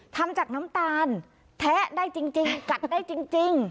ทำจากน้ำตาลแทะได้จริงกัดได้จริง